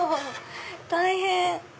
大変！